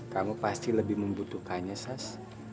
kamu pasti lebih membutuhkannya sas